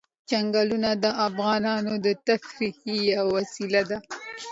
چنګلونه د افغانانو د تفریح یوه وسیله ده.